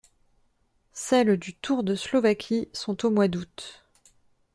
Celles du Tour de Slovaquie sont au mois d'août.